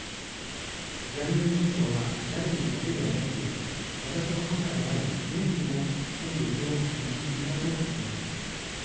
ジャニーズ事務所はジャニーだけではなく、私の母であるメリーも権力を握っていたと思います。